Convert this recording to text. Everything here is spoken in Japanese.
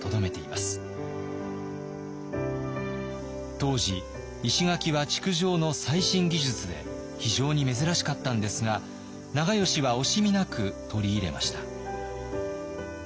当時石垣は築城の最新技術で非常に珍しかったんですが長慶は惜しみなく取り入れました。